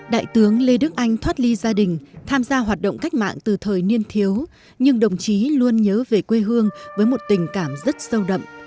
đại tướng lê đức anh thoát ly gia đình tham gia hoạt động cách mạng từ thời niên thiếu nhưng đồng chí luôn nhớ về quê hương với một tình cảm rất sâu đậm